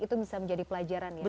itu bisa menjadi pelajaran ya